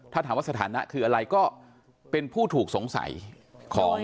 ถ้าถามว่าสถานะคืออะไรก็เป็นผู้ถูกสงสัยของ